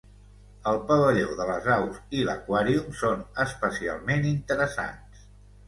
El pavelló de les aus i l'aquàrium són especialment interessants